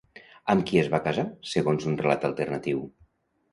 Amb qui es va casar, segons un relat alternatiu?